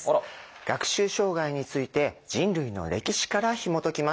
学習障害について人類の歴史からひもときます。